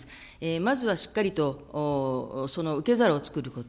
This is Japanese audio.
まずはしっかりと、その受け皿を作ること。